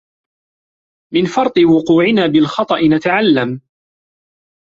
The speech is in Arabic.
من فرطِ وقوعنا بالخطأ نتعلم.